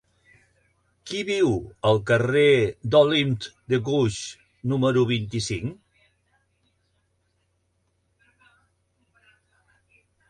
Qui viu al carrer d'Olympe de Gouges número vint-i-cinc?